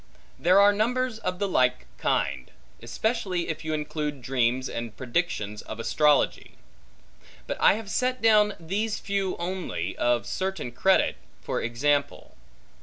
There are numbers of the like kind; especially if you include dreams, and predictions of astrology. But I have set down these few only, of certain credit, for example.